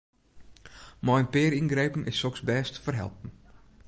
Mei in pear yngrepen is soks bêst te ferhelpen.